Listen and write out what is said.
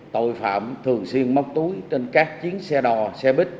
tội phạm thường xuyên móc túi trên các chiến xe đò xe buýt